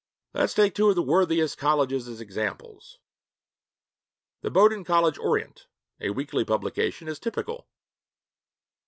Let us take two of the worthiest colleges as examples. The Bowdoin College Orient, a weekly publication, is typical.